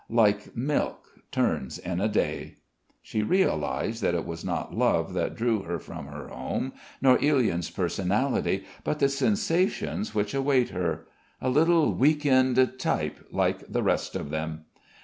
Like milk, turns in a day." She realised that it was not love that drew her from her home nor Ilyin's personality, but the sensations which await her.... A little week end type like the rest of them.